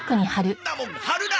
んなもん貼るな！